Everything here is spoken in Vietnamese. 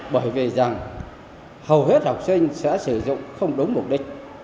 bởi vì rằng hầu hết học sinh sẽ sử dụng không đúng mục đích